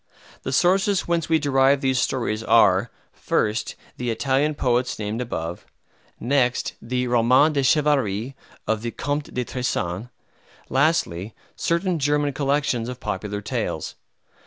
The sources whence we derive these stories are, first, the Italian poets named above; next, the "Romans de Chevalerie" of the Comte de Tressan; lastly, certain German collections of popular tales.